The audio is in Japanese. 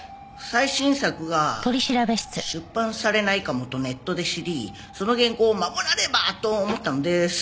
最新作が出版されないかもとネットで知りその原稿を守らねばと思ったのです。